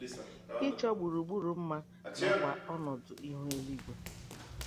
ịchọ gburugburu mma nakwa ọnọdụ ihu eligwe